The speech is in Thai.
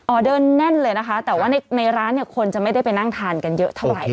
เดินแน่นเลยนะคะแต่ว่าในร้านเนี่ยคนจะไม่ได้ไปนั่งทานกันเยอะเท่าไหร่